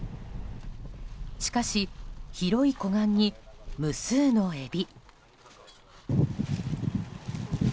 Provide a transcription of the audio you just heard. しかし、広い湖岸に無数のエビ。